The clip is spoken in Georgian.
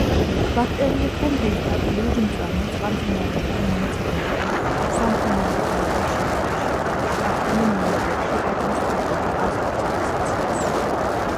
ბაქტერიებთან ერთად ლურჯ-მწვანე წყალმცენარეები მონაწილეობენ სამკურნალო ტალახის შექმნაში, ახდენენ ნიადაგში ატმოსფერული აზოტის ფიქსაციას.